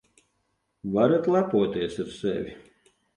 Varat lepoties ar sevi.